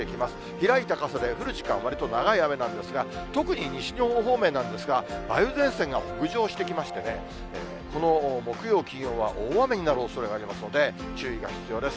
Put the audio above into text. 開いた傘で降る時間、わりと長い雨なんですが、特に西日本方面なんですが、梅雨前線が北上してきまして、この木曜、金曜は大雨になるおそれがありますので、注意が必要です。